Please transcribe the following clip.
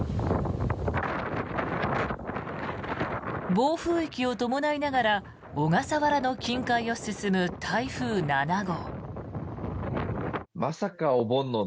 暴風域を伴いながら小笠原の近海を進む台風７号。